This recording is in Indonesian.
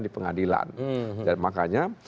di pengadilan dan makanya